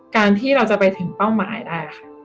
การที่เราจะไปถึงเป้าหมายได้ค่ะ